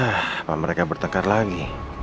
hah apa mereka bertengkar lagi